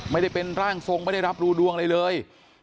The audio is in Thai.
ไม่ได้เป็นร่างทรงไม่ได้รับรู้ดวงอะไรเลย